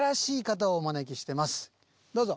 どうぞ。